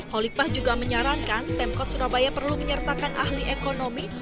holikpah juga menyarankan pemkot surabaya perlu menyertakan ahli ekonomi